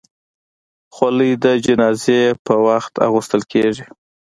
خولۍ د جنازې پر وخت اغوستل کېږي.